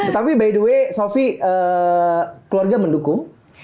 tapi by the way sofy keluarga mendukung